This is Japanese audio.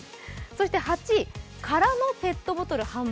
８位、空のペットボトル販売。